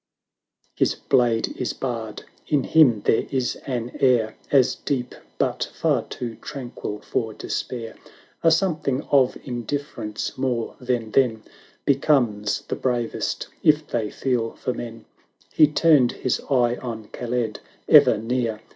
His blade is bared, — in him there is an air As deep, but far too tranquil for despair; 990 A something of indifference more than then Becomes the bravest, if they feel for men — He turned his eye on Kaled, ever near.